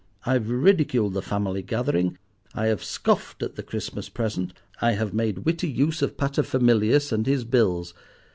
I have ridiculed the family gathering. I have scoffed at the Christmas present. I have made witty use of paterfamilias and his bills.